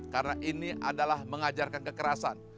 karena ini adalah mengajarkan kekerasan